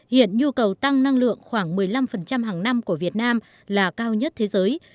hiện nhu cầu tăng năng lượng khoảng một mươi năm hàng năm của việt nam là cao nhất thế giới